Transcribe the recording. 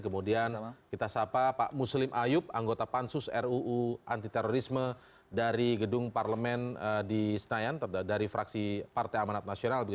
kemudian kita sapa pak muslim ayub anggota pansus ruu antiterorisme dari gedung parlemen di senayan dari fraksi partai amanat nasional